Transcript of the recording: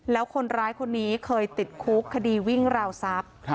แล้วคนร้ายคนนี้เคยติดคุกคดีวิ่งราวทรัพย์